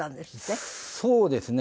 そうですね。